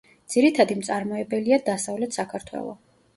ძირითადი მწარმოებელია დასავლეთ საქართველო.